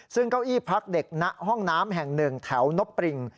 ซึ่งเก้าอี้พักเด็กณห้องน้ำแห่งหนึ่งแถวนบปริง